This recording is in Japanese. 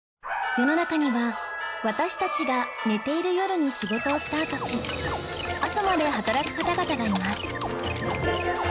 世の中には私たちが寝ている夜に仕事をスタートし朝まで働く方々がいます